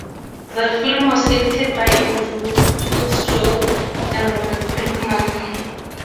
The film was edited by Andrew Putschoegl and Robert Brinkmann.